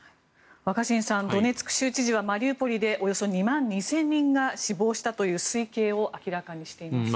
若新さんドネツク州知事はマリウポリでおよそ２万２０００人が死亡したという推計を明らかにしています。